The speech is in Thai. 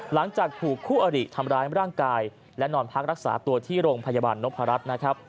หลังจากถูกคู่อริทำร้ายร่างกายและนอนพักรักษาตัวที่โรงพยาบาลนพรัชนะครับ